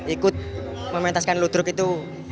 ikut mementaskan ludruk itu